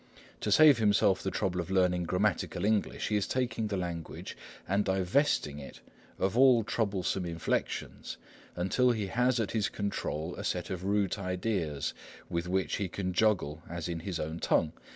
To save himself the trouble of learning grammatical English, he is taking the language and divesting it of all troublesome inflections, until he has at his control a set of root ideas, with which he can juggle as in his own tongue.